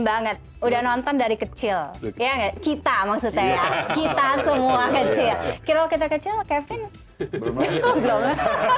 banget udah nonton dari kecil ya kita maksudnya kita semua kecil kita kecil kevin belum ya